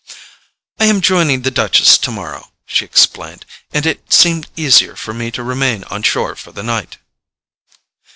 "I am joining the Duchess tomorrow," she explained, "and it seemed easier for me to remain on shore for the night."